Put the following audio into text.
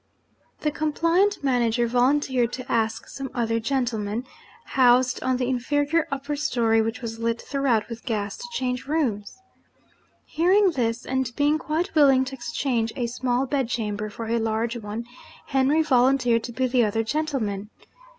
The compliant manager volunteered to ask some other gentleman, housed on the inferior upper storey (which was lit throughout with gas), to change rooms. Hearing this, and being quite willing to exchange a small bedchamber for a large one, Henry volunteered to be the other gentleman.